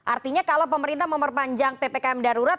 artinya kalau pemerintah memperpanjang ppkm darurat